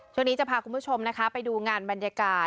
ช่วงนี้จะพาคุณผู้ชมนะคะไปดูงานบรรยากาศ